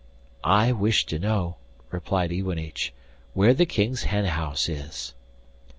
'I wish to know,' replied Iwanich, 'where the King's hen house is.